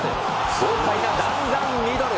豪快な弾丸ミドル。